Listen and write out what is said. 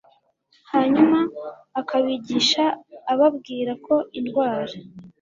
Hanyuma akabigisha ababwira ko indwara